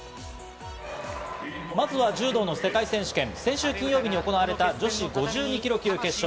まずは柔道の世界選手権、先週金曜日に行われた女子５２キロ級決勝。